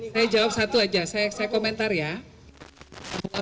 saya jawab satu aja saya komentar ya